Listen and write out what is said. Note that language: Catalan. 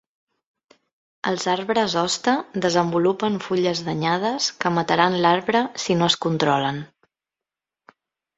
Els arbres hoste desenvolupen fulles danyades que mataran l"arbre si no es controlen.